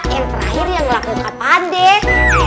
yang terakhir ya ngelap muka padeh